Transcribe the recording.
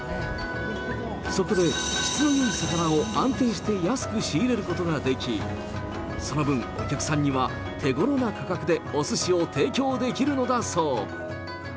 そこで質のよい魚を安定して安く仕入れることができ、その分、お客さんには手ごろな価格でおすしを提供できるのだそう。